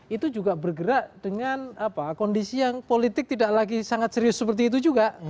itu juga bergerak dengan kondisi yang politik tidak lagi sangat serius seperti itu juga